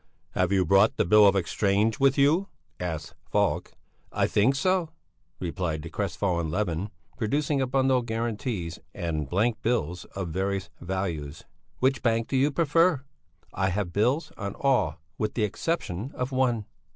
"Have you brought the bill of exchange with you?" asked Falk. "I think so," replied the crestfallen Levin, producing a bundle of guarantees and blank bills of various values. "Which bank do you prefer? I have bills on all with the exception of one."